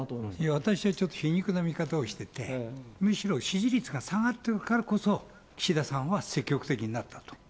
私は皮肉な見方をしてて、むしろ、支持率が下がってるからこそ、岸田さんは積極的になったと。